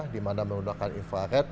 dimana menggunakan infrared